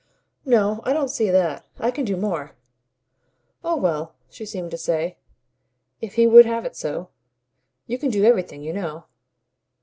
"No I don't see that. I can do more." Oh well, she seemed to say, if he would have it so! "You can do everything, you know."